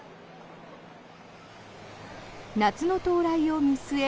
夏の到来を見据え